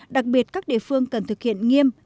đặc biệt các địa phương cần thực hiện nghiêm ép không